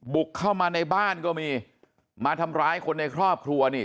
บุกเข้ามาในบ้านก็มีมาทำร้ายคนในครอบครัวนี่